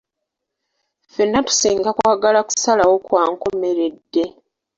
Ffenna tusinga kwagala kusalawo kwa nkomeredde.